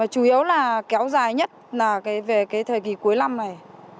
chủ yếu kéo dài nhất về thời kỳ cuối năm này